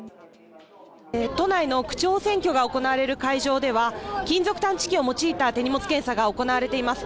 都内の区長選挙が行われる会場では金属探知機を用いた手荷物検査が行われています。